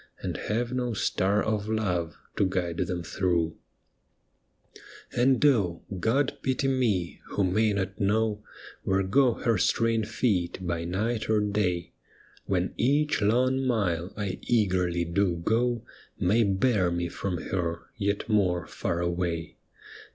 And have no star of love to guide them through ! And oh I God pity me who may not know Where go her straying feet by night or day, When each long mile I eagerly do go May bear me from her yet more far away